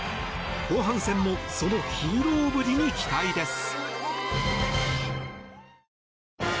後半戦もそのヒーローぶりに期待です。